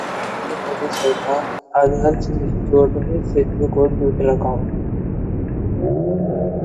संसद में बोली मोदी सरकार- आधार से नहीं जोड़ रहे फेसबुक और ट्विटर अकाउंट